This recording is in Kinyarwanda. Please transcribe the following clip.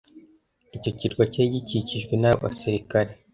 Icyo kirwa cyari gikikijwe n'abasirikare.